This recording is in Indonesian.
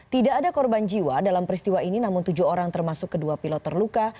tidak ada korban jiwa dalam peristiwa ini namun tujuh orang termasuk kedua pilot terluka